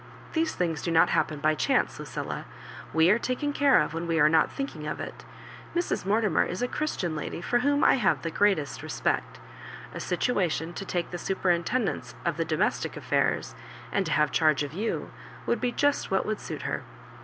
These things do not happen by chance, Lu cilla. We are taken care of when we are. hot thinking of it. Mrs. Mortimer is a Christian lady for whom I hare the greatest respect A situation to take tlie superintendence of the domestic affairs, and to have charge of you, would be just what would suit her.